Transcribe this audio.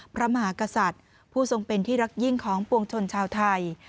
พระมหากษัตริย์ผู้ทรงเป็นที่รักยิ่งของปวงชนชาวไทย